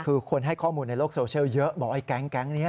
คือคนให้ข้อมูลในโลกโซเชียลเยอะบอกไอ้แก๊งนี้